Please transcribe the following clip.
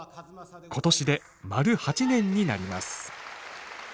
今年で丸８年になります。